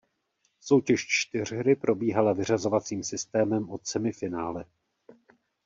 Soutěž čtyřhry probíhala vyřazovacím systémem od semifinále.